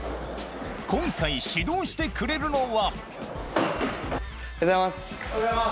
今回指導してくれるのはおはようございます。